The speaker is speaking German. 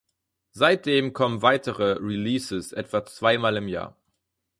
Seitdem kommen weitere "releases" etwa zweimal im Jahr.